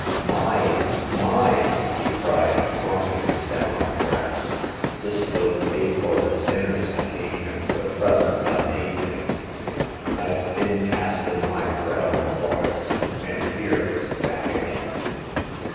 " Mine ! mine !" he cried, plumping this down on the grass. This will pay for the dinners I gave him, the presents I made him. Fve bin castin' my bread on the waters, and here it's back again."